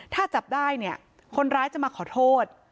ถ้าจับได้เนี่ยคนร้ายจะมาขอโทษ